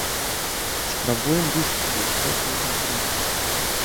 Спрабуем высветліць гэтую інфармацыю.